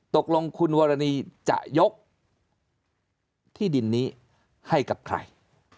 ตกลงคุณวรณีจะยกที่ดินนี้ให้กับใคร